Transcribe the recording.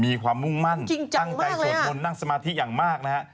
มีความมุ่งมั่นตั้งใจสวดมนต์นั่งสมาธิอย่างมากนะฮะ